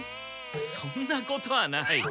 そんなことはない。